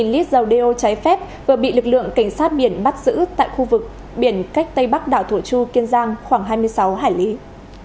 một lít dầu đeo trái phép vừa bị lực lượng cảnh sát biển bắt giữ tại khu vực biển cách tây bắc đảo thổ chu kiên giang khoảng hai mươi sáu hải lý